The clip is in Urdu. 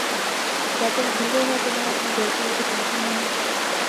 کیا تم بھول گئے ہو کہ تمہیں اپنی گرل فرینڈ سے کیا کہنا ہے؟